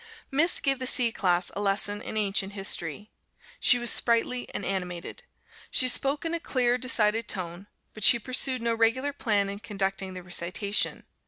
Miss gave the C class a lesson in Ancient History. She was sprightly and animated. She spoke in a clear, decided tone; but she pursued no regular plan in conducting the recitation.